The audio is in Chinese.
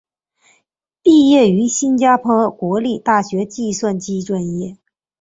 毕业于新加坡国立大学计算机专业。